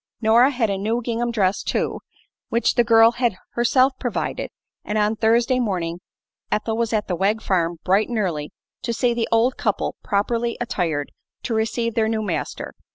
Nora had a new gingham dress, too, which the girl had herself provided, and on Thursday morning Ethel was at the Wegg farm bright and early to see the old couple properly attired to receive their new master.